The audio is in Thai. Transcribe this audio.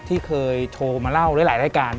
ที่เคยโทรมาเล่าหลายรายการ